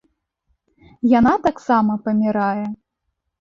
Яна таксама памiрае...